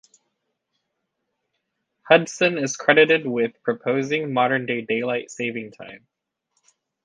Hudson is credited with proposing modern-day daylight saving time.